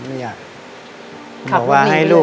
พ่อผมจะช่วยพ่อผมจะช่วยพ่อผมจะช่วย